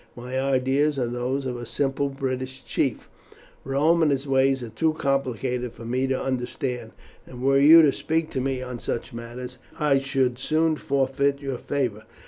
My ideas are those of a simple British chief. Rome and its ways are too complicated for me to understand, and were you to speak to me on such matters I should soon forfeit your favour.